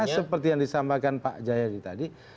seperti yang disampaikan pak jayadi tadi